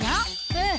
うん！